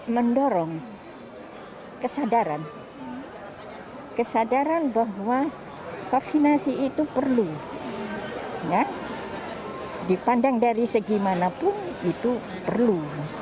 mendorong kesadaran kesadaran bahwa vaksinasi itu perlu dipandang dari segi manapun itu perlu